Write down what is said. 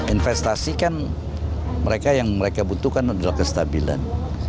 investasi kan mereka yang mereka butuhkan adalah kestabilan